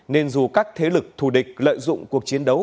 nên dù các thế lực thù địch lợi dụng cuộc chiến đấu